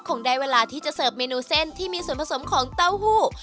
คงได้เวลาที่จะเสิร์ฟเมนูเส้นที่มีส่วนผสมของเต้าหู้